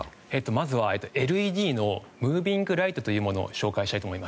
まずはＬＥＤのムービングライトというものを紹介したいと思います。